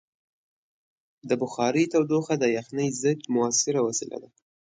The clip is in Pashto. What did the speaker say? د بخارۍ تودوخه د یخنۍ ضد مؤثره وسیله ده.